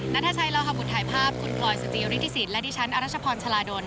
นัทชัยเราขอบคุณถ่ายภาพคุณพลอยสจิยฤทธิสิทธิ์และดิฉันอรัชพรชาลาโดน